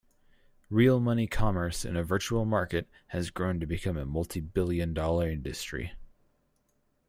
Real money commerce in a virtual market has grown to become a multibillion-dollar industry.